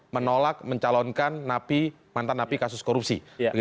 menolak mencalonkan mantan napi kasus korupsi